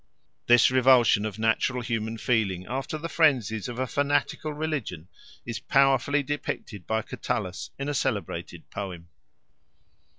This revulsion of natural human feeling after the frenzies of a fanatical religion is powerfully depicted by Catullus in a celebrated poem.